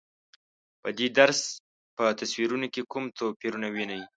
په دې درس په تصویرونو کې کوم توپیرونه وینئ؟